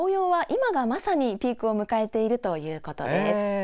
今がまさに紅葉のピークを迎えているということです。